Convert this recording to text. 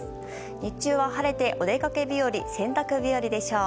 日中は晴れてお出かけ日和、洗濯日和でしょう。